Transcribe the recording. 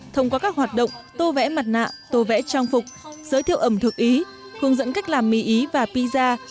thông qua các hoạt động tô vẽ mặt nạ tô vẽ trang phục giới thiệu ẩm thực ý hướng dẫn cách làm mì ý và piza